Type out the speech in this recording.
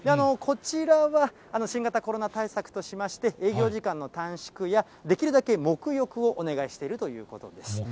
こちらは、新型コロナ対策としまして、営業時間の短縮や、できるだけ黙浴をお願いしているということです。